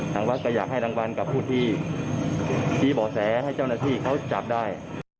ทางวัดก็อยากให้รางวัลกับผู้ที่ชี้บ่อแสให้เจ้าหน้าที่เขาจับได้